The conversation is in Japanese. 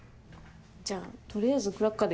じゃあ取りあえずクラッカーでいっか。